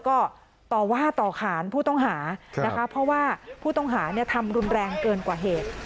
ก็ต่อว่าต่อขานผู้ต้องหานะคะเพราะว่าผู้ต้องหาทำรุนแรงเกินกว่าเหตุ